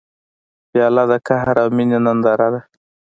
پیاله د قهر او مینې ننداره ده.